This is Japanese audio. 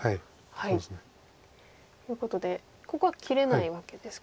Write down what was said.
そうですね。ということでここは切れないわけですか。